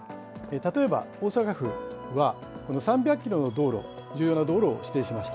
例えば大阪府は、この３００キロの道路、重要な道路を指定しました。